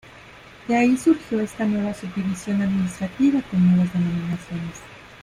De ahí surgió esta nueva subdivisión administrativa con nuevas denominaciones.